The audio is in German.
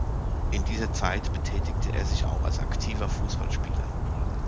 In dieser Zeit betätigte er sich auch als aktiver Fußballspieler.